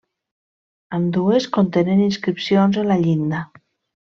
Ambdues contenen inscripcions en la llinda.